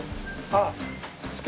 あっ。